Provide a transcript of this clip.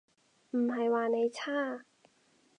唔係話你差